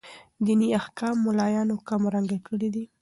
ديني احكام ملايانو کم رنګه کړي دي.